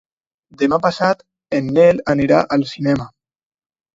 Demà passat en Nel anirà al cinema.